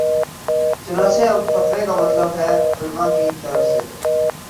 چنانچہ اب فتوے کا مطلب ہی علما کی طرف سے